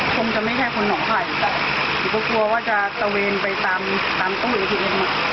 คงจะไม่ใช่คนหนอไข่หรือก็กลัวว่าจะตะเวนไปตามตู้เอทีเอ็ม